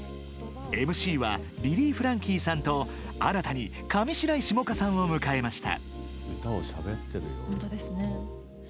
ＭＣはリリー・フランキーさんと新たに上白石萌歌さんを迎えました。